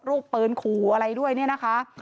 รูปปืนขู่อะไรด้วยเนี่ยนะคะ